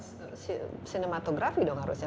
cinematografi dong harusnya